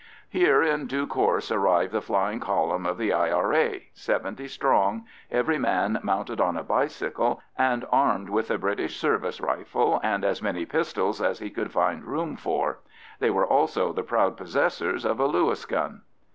Here in due course arrived the flying column of the I.R.A., seventy strong, every man mounted on a bicycle and armed with a British service rifle and as many pistols as he could find room for. They were also the proud possessors of a Lewis gun.